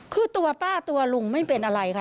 คือตัวป้าตัวลุงไม่เป็นอะไรค่ะ